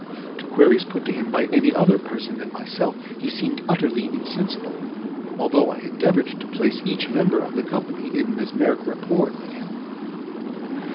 To queries put to him by any other person than myself he seemed utterly insensibleŌĆöalthough I endeavored to place each member of the company in mesmeric rapport with him.